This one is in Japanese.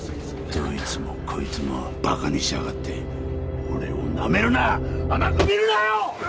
どいつもこいつもバカにしやがって俺をなめるな甘く見るなよ！